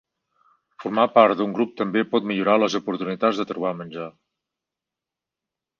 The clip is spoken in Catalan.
Formar part d'un grup també pot millorar les oportunitats de trobar menjar.